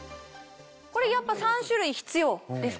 これやっぱ３種類必要ですか？